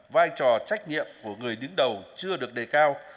vai trò trách nhiệm của người đứng đầu chưa được đề cao